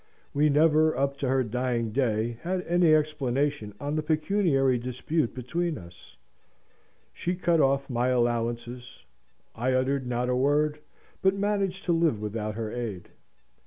We never, up to her dying day, had any explanation on the pecuniary dispute between us. She cut off my allowances: I uttered not a word; but managed to live without her aid.